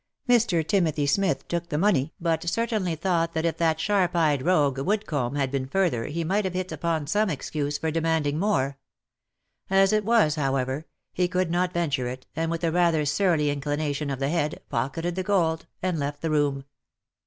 Mr. Timothy Smith took the money, but certainly thought that if that sharp eyed rogue Woodcomb had been further he might have hit upon some excuse for demanding more. As it was, however, he could not venture it, and with a rather surly inclination of the head, pocketed the gold, and left the room.